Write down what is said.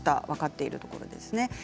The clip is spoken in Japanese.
分かっているところですね。